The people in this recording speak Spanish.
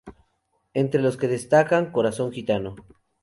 Entre los que destacan ‘Corazón gitano’.